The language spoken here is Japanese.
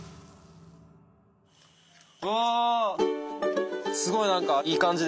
うわ。